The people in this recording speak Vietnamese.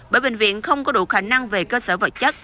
bởi bệnh viện không có đủ khả năng về cơ sở vật chất